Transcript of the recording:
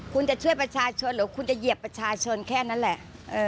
คุณจะช่วยประชาชนหรือคุณจะเหยียบประชาชนแค่นั้นแหละ